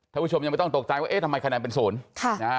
ท่านผู้ชมยังไม่ต้องตกใจว่าเอ้ยทำไมคะแนนเป็น๐นะฮะ